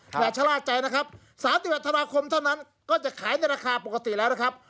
อย่าชะล่าใจนะครับ๓๑ธันวาคมเท่านั้นก็จะขายในราคาปกติแล้วนะครับ